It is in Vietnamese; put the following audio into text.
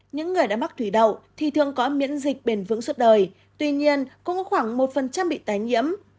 những người đã mắc thủy đậu thì thường có miễn dịch bền vững suốt đời tuy nhiên cũng có khoảng một bị tái nhiễm